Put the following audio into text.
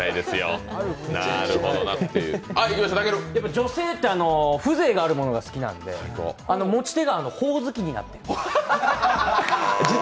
女性って風情があるものが好きなんで持ち手がほおずきになっている。